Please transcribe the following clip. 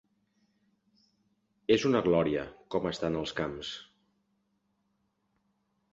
És una glòria, com estan els camps.